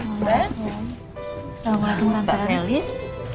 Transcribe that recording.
selamat datang mbak felis